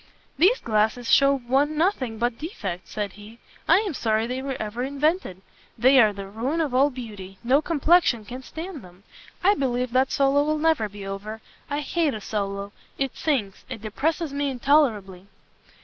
"These glasses shew one nothing but defects," said he; "I am sorry they were ever invented. They are the ruin of all beauty; no complexion can stand them. I believe that solo will never be over; I hate a solo; it sinks, it depresses me intolerably."